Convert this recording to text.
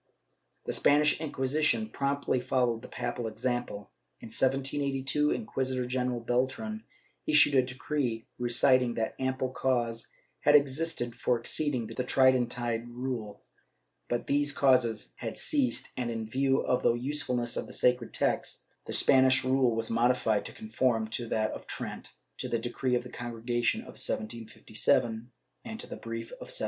^ The Spanish Inquisition promptly followed the papal example. In 1782, Inquisitor general Beltran issued a decree reciting that ample cause had existed for exceeding the Tridentine rule, but these causes had ceased and, in view of the usefulness of the sacred text, the Spanish rule was modified to conform to that of Trent, to the decree of the Congregation of 1757 and to the brief of 1778.